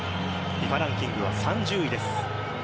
ランキングは３０位です。